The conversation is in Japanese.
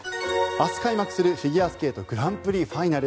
明日開幕するフィギュアスケートグランプリファイナル。